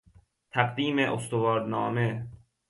تقدیم استوارنامه